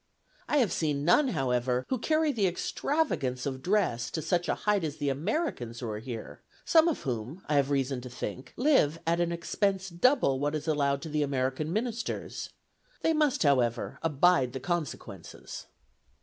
I have seen none, however, who carry the extravagance of dress to such a height as the Americans who are here, some of whom, I have reason to think, live at an expense double what is allowed to the American ministers. They must however, abide the consequences."